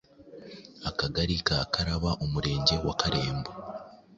Akagari ka Karaba, Umurenge wa Karembo,